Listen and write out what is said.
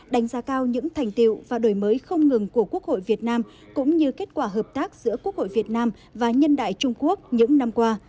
đánh giá cao những thành tiệu và đổi mới không ngừng của quốc hội việt nam cũng như kết quả hợp tác giữa quốc hội việt nam và nhân đại trung quốc những năm qua